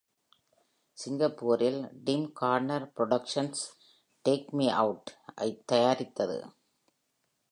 சிங்கப்பூரில் Tim Corner Productions "take me அவுட்"ஐத் தயாரித்தது.